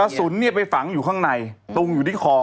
สุนไปฝังอยู่ข้างในตุงอยู่ที่คอ